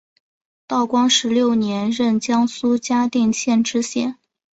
道光十六年任江苏嘉定县知县。